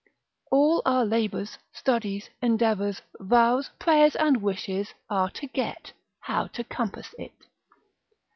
——— All our labours, studies, endeavours, vows, prayers and wishes, are to get, how to compass it.